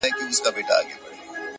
د خاموش پارک فضا د ذهن سرعت کموي،